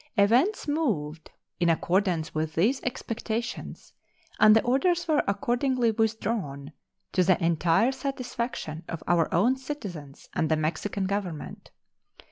Events moved in accordance with these expectations, and the orders were accordingly withdrawn, to the entire satisfaction of our own citizens and the Mexican Government.